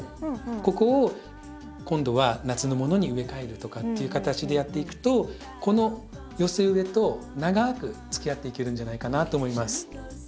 ここを今度は夏のものに植え替えるとかっていう形でやっていくとこの寄せ植えと長くつきあっていけるんじゃないかなと思います。